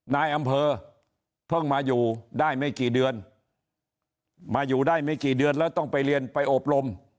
นายอำเภอเพิ่งมาอยู่ได้ไม่กี่เดือนมาอยู่ได้ไม่กี่เดือนแล้วต้องไปเรียนไปอบรม